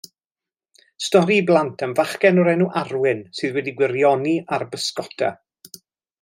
Stori i blant am fachgen o'r enw Arwyn sydd wedi gwirioni ar bysgota.